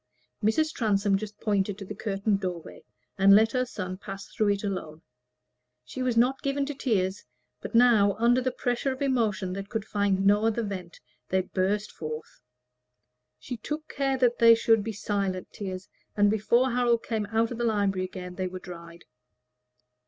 Mrs. Transome just pointed to the curtained doorway, and let her son pass through it alone. She was not given to tears: but now, under the pressure of emotion that could find no other vent, they burst forth. She took care that they should be silent tears, and before Harold came out of the library again they were dried.